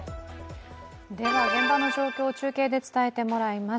現場の状況を中継で伝えてもらいます。